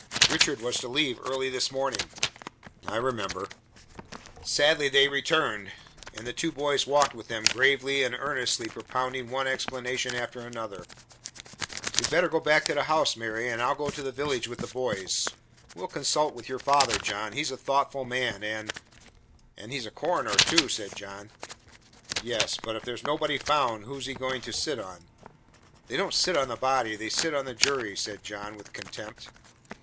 "Richard was to leave early this morning." "I remember." Sadly they returned, and the two boys walked with them, gravely and earnestly propounding one explanation after another. "You'd better go back to the house, Mary, and I'll go on to the village with the boys. We'll consult with your father, John; he's a thoughtful man, and " "And he's a coroner, too " said John. "Yes, but if there's nobody found, who's he goin' to sit on?" "They don't sit on the body, they sit on the jury," said John, with contempt.